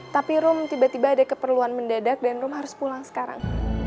tapi rum tiba tiba ada keperluan mendadak dan room harus pulang sekarang